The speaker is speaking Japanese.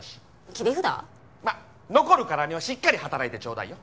まあ残るからにはしっかり働いてちょうだいよ。